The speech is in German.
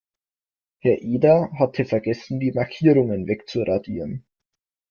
Herr Eder hatte vergessen, die Markierungen wegzuradieren.